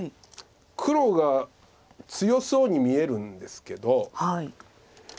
黒が強そうに見えるんですけど。